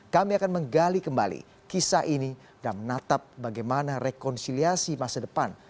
kami akan menggali kembali kisah ini dan menatap bagaimana rekonsiliasi masa depan